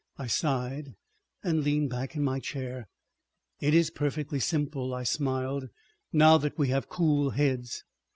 I sighed and leant back in my chair. "It is perfectly simple," I smiled, "now that we have cool heads."